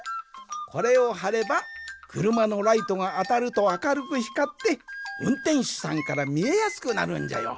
これをはればくるまのライトがあたるとあかるくひかってうんてんしゅさんからみえやすくなるんじゃよ。